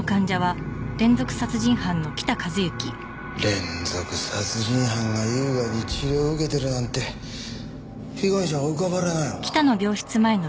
連続殺人犯が優雅に治療を受けてるなんて被害者が浮かばれないよな。